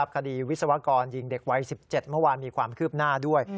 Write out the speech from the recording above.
วิศวกรยิงเด็กวัย๑๗เมื่อวานมีความคืบหน้าด้วย